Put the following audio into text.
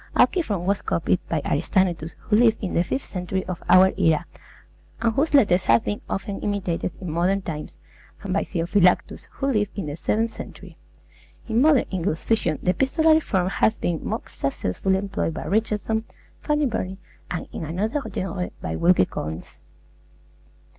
Alciphron was copied by Aristaenetus, who lived in the fifth century of our era, and whose letters have been often imitated in modern times, and by Theophylactus, who lived in the seventh century. In modern English fiction the epistolary form has been most successfully employed by Richardson, Fanny Burney, and, in another genre, by Wilkie Collins.